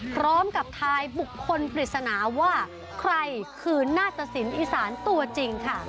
พร้อมกับทายบุคคลผิดสนาว่าใครคือนาศสินอีสานตัวจริงค่ะ